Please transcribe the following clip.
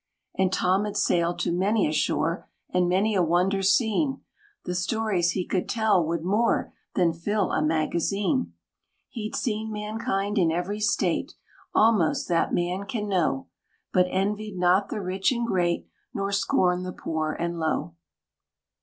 And Tom had sailed to many a shore, And many a wonder seen: The stories he could tell would more Than fill a magazine. He'd seen mankind in every state, Almost, that man can know; But envied not the rich and great, Nor scorned the poor and low.